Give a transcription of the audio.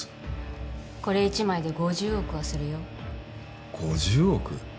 これ１枚で５０億はするよ５０億！？